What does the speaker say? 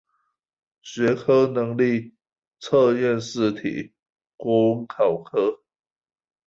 學科能力測驗試題國文考科